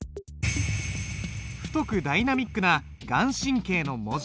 太くダイナミックな顔真の文字。